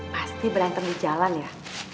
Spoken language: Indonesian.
pasti berantem di jalan ya